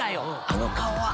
あの顔は。